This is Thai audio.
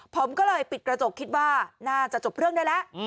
ผมก็เลยปิดกระจกคิดว่าน่าจะจบเรื่องได้แล้ว